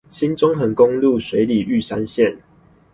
新中橫公路水里玉山線